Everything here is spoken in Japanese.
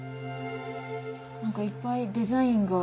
何かいっぱいデザインが。